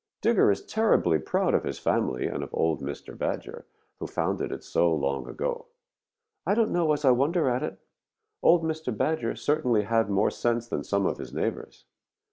Digger is terribly proud of his family and of old Mr. Badger, who founded it so long ago. I don't know as I wonder at it. Old Mr. Badger certainly had more sense than some of his neighbors.